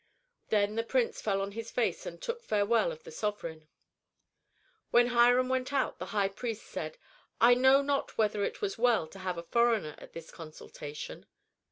Then the prince fell on his face and took farewell of the sovereign. When Hiram went out, the high priest said, "I know not whether it was well to have a foreigner at this consultation."